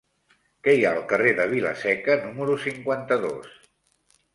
Què hi ha al carrer de Vila-seca número cinquanta-dos?